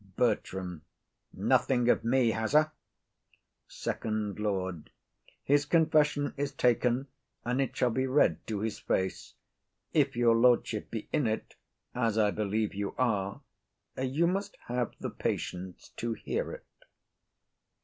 BERTRAM. Nothing of me, has he? SECOND LORD. His confession is taken, and it shall be read to his face; if your lordship be in't, as I believe you are, you must have the patience to hear it.